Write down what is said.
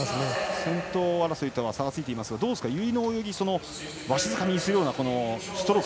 先頭とは差がついていますが由井の泳ぎわしづかみにするようなストローク。